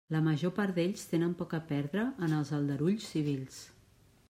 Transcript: La major part d'ells tenen poc a perdre en els aldarulls civils.